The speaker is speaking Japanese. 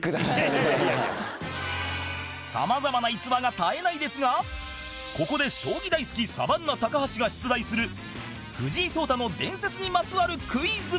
様々な逸話が絶えないですがここで将棋大好きサバンナ高橋が出題する藤井聡太の伝説にまつわるクイズ！